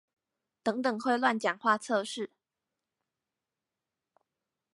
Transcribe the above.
等等會亂講話測試